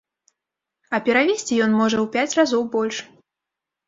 А перавезці ён можа у пяць разоў больш.